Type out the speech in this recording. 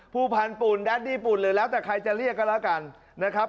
ผู้พันธุ์ปุ่นดาร์ดี้ปุ่นหรือแล้วแต่ใครจะเรียกก็แล้วกัน